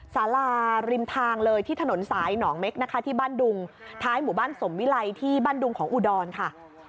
สาราริมทางเลยที่ถนนสายหนองเม็กนะคะที่บ้านดุงท้ายหมู่บ้านสมวิไลที่บ้านดุงของอุดรค่ะ